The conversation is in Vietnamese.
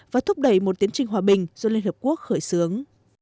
và thúc đẩy một tiến trình hòa bình do liên hợp quốc khởi xướng